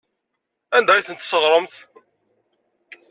Anda ay tent-tesseɣremt?